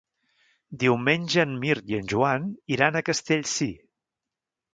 Diumenge en Mirt i en Joan iran a Castellcir.